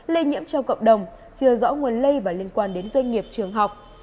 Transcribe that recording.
lây nhiễm trong cộng đồng chưa rõ nguồn lây và liên quan đến doanh nghiệp trường học